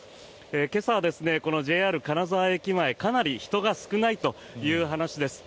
今朝はＪＲ金沢駅前かなり人が少ないという話です。